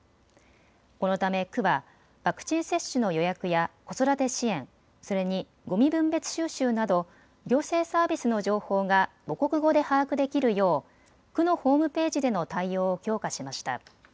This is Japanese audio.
このため区はワクチン接種の予約や子育て支援、それにごみ分別収集など行政サービスの情報が母国語で把握できるよう区のホームページでの対応を強化しました。